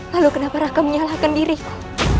lalu kenapa raka menyalahkan diriku